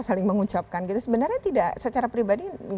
sebenarnya tidak secara pribadi tidak sebenarnya tidak secara pribadi tidak